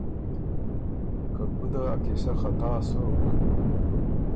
که ګُده ا قیصۀ خطا سُک۔